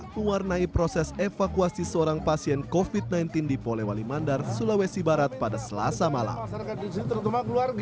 mewarnai proses evakuasi seorang pasien covid sembilan belas di polewali mandar sulawesi barat pada selasa malam